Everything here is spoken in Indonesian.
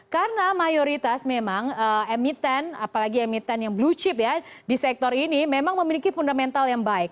karena mayoritas memang emiten apalagi emiten yang blue chip ya di sektor ini memang memiliki fundamental yang baik